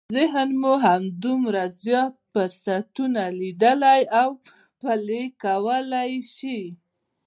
ذهن مو همدومره زیات فرصتونه ليدلی او پلي کولای شي.